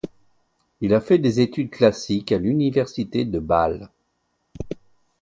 Il a fait des études classiques à l'Université de Bâle.